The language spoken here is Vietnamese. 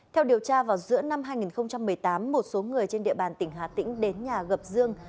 theo điều tra vào giữa năm hai nghìn một mươi tám một số người trên địa bàn tỉnh hà tĩnh đến nhà gặp dương